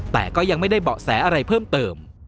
แต่ก็ยังไม่ได้เบาะแสอะไรเพิ่มเติม